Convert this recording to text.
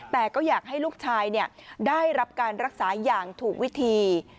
แต่ก็อยากให้ลูกชายได้รับการรักษาอย่างถูกวิธี